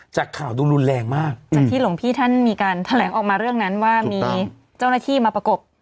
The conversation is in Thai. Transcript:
จากข่าวดูรุนแรงมากจากที่หลวงพี่ท่านมีการแถลงออกมาเรื่องนั้นว่ามีเจ้าหน้าที่มาประกบ